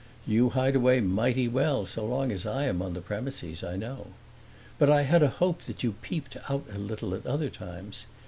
You hide away mighty well so long as I am on the premises, I know; but I had a hope that you peeped out a little at other times.